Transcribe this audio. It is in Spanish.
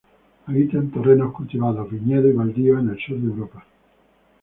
Habita en terrenos cultivados, viñedos y baldíos en el sur de Europa.